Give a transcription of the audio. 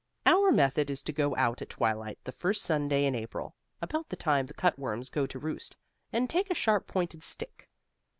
Our method is to go out at twilight the first Sunday in April, about the time the cutworms go to roost, and take a sharp pointed stick.